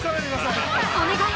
◆お願い！